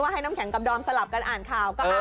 ให้น้ำแข็งกับดอมสลับกันอ่านข่าว